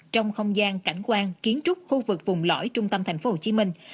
trong khi lại ăn ít rau xanh